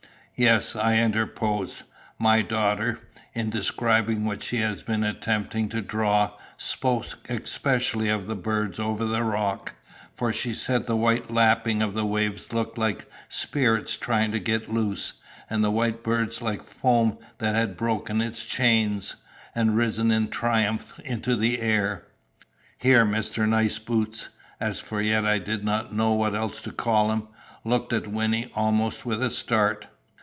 "Yes," I interposed; "my daughter, in describing what she had been attempting to draw, spoke especially of the birds over the rock. For she said the white lapping of the waves looked like spirits trying to get loose, and the white birds like foam that had broken its chains, and risen in triumph into the air." Here Mr. Niceboots, for as yet I did not know what else to call him, looked at Wynnie almost with a start.